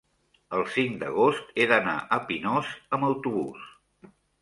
el cinc d'agost he d'anar a Pinós amb autobús.